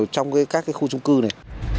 trong các cái khu trung cư này